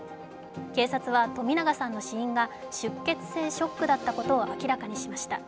警察は冨永さんの死因が出血性ショックだったことを明らかにしました。